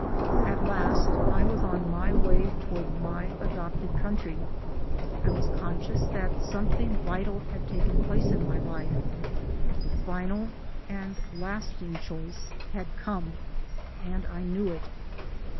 At last I was on my way toward my adopted country. I was conscious that something vital had taken place in my life. The final and lasting choice had come and I knew it.